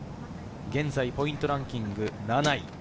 現在ポイントランキング７位。